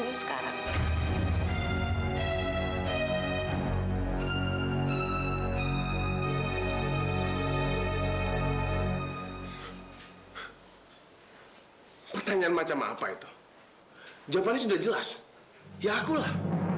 mau ke mana sih